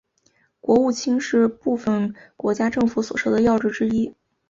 国务卿是部份国家政府所设的要职之一。